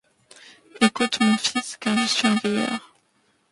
Écoute, mon fils, car je suis un vieillard!